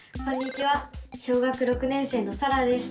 小学６年生のさらです。